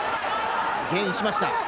ゲインしました。